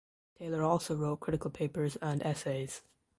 Taylor also wrote critical papers and essays.